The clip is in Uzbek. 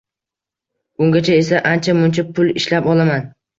Ungacha esa ancha-muncha pul ishlab olaman